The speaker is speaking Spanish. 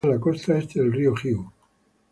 Está ubicada en la costa este del río Jiu.